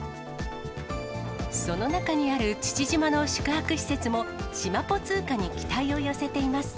その中にある父島の宿泊施設も、しまぽ通貨に期待を寄せています。